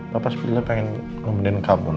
bapak sebetulnya pengen ngemenin kamu